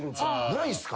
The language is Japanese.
ないっすか？